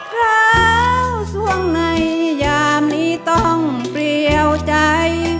พร้าวส่วงในยามนี้ต้องเปรียวใจ